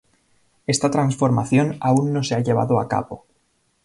Esta transformación aún no se ha llevado a cabo.